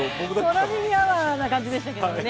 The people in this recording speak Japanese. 空耳アワーな感じでしたけどね。